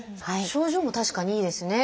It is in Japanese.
症状も確かにいいですね。